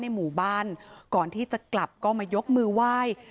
หมู่บ้านก่อนที่จะกลับก็มายกมือไหว้